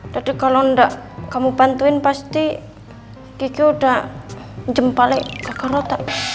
tadi kalau enggak kamu bantuin pasti kiki udah jempa leh kakak rota